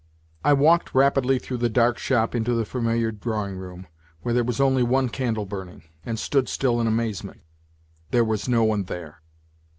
I walked rapidly through the dark shop into the familiar drawing room, where there was only one candle burning, and stood still in amazement : there was no one there.